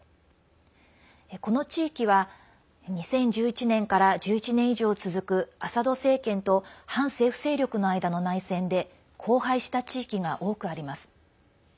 この地域は２０１１年から１１年以上続くアサド政権と反政府勢力の間の内戦で荒廃した地域が多くあります。